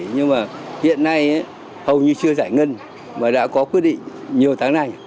nhưng mà hiện nay hầu như chưa giải ngân và đã có quyết định nhiều tháng này